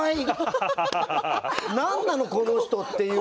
何なのこの人っていう。